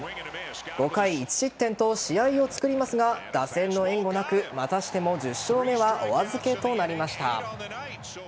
５回１失点と試合を作りますが打線の援護なくまたしても１０勝目はお預けとなりました。